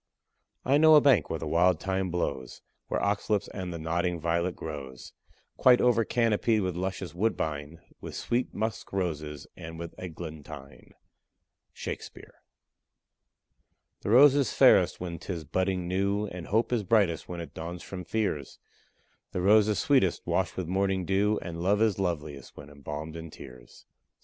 I know a bank where the wild thyme blows, Where ox lips and the nodding violet grows, Quite over canopied with luscious woodbine, With sweet musk roses and with eglantine. SHAKESPEARE. The rose is fairest when 'tis budding new, And hope is brightest when it dawns from fears; The rose is sweetest washed with morning dew, And love is loveliest when embalmed in tears.